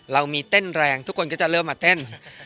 เรามีเต้นแรงทุกคนก็จะเริ่มมาเต้น